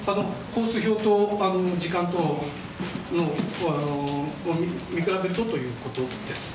コース表と時間を見比べるとということです。